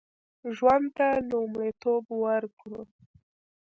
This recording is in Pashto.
ژوند ته لومړیتوب ورکړو